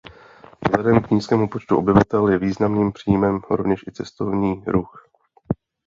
Vzhledem k nízkému počtu obyvatel je významným příjmem rovněž i cestovní ruch.